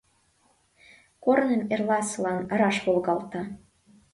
Корным эрласылан раш волгалта.